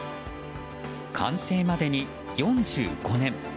完成までに４５年。